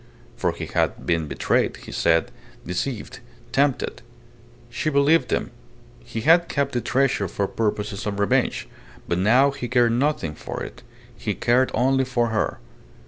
For he had been betrayed he said deceived, tempted. She believed him. ... He had kept the treasure for purposes of revenge; but now he cared nothing for it. He cared only for her.